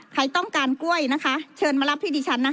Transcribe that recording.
ใครต้องการกล้วยนะคะเชิญมารับพี่ดิฉันนะคะ